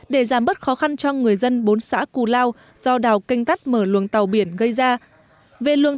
để giảm bớt khó khăn cho người dân bốn xã cù lao do đào canh tắt mở luồng tàu biển gây ra